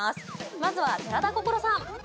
まずは寺田心さん。